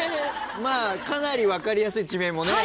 かなり分かりやすい地名もね。